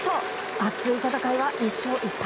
熱い戦いは２勝１敗。